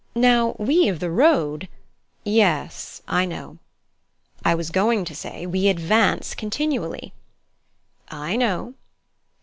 Now we of the road " "Yes. I know." "I was going to say, we advance continually." "I know."